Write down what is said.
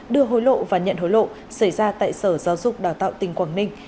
đưa hối lộ và nhận hối lộ xảy ra tại sở giáo dục đào tạo tỉnh quảng ninh